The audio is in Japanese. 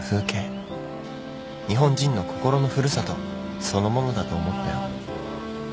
日本人の心の古里そのものだと思ったよ。